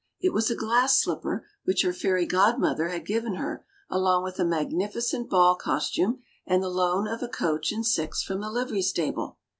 It was a glass slipper wliicli her fairy godmother had given her along with a magnificent ball costume and the loan of a coach and six from the livery stable.